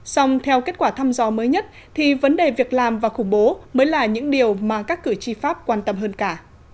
xong theo kết quả thăm dò mới nhất thì vấn đề việc làm và khủng bố mới là những điều mà các cử tri pháp quan tâm hơn cả